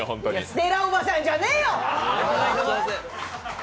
ステラおばさんじゃねえよ。